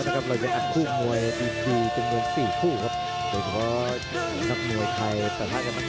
ก็ยังต้องเป็นแบบออกไปนะครับ